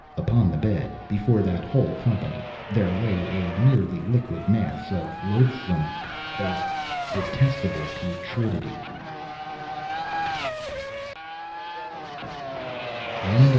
Upon the bed, before that whole company, there lay a nearly liquid mass of loathsome—of detestable putrescence.